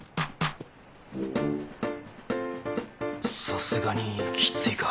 さすがにきついか。